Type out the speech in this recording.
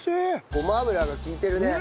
ごま油が利いてるね。